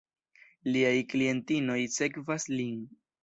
Liaj klientinoj sekvas lin.